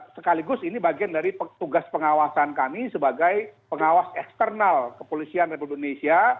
sekaligus ini bagian dari tugas pengawasan kami sebagai pengawas eksternal kepolisian republik indonesia